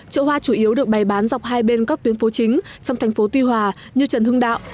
chợ hoa chủ yếu được bày bán dọc hai bên các tuyến phố chính trong thành phố tuy hòa như trần hưng đạo